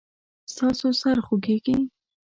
ستاسو سر خوږیږي؟